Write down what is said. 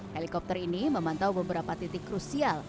helikopter ini memantau beberapa titik krusial